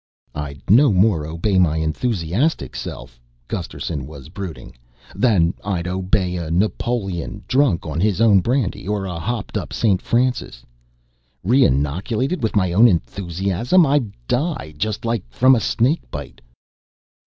"I'd no more obey my enthusiastic self," Gusterson was brooding, "than I'd obey a Napoleon drunk on his own brandy or a hopped up St. Francis. Reinoculated with my own enthusiasm? I'd die just like from snake bite!"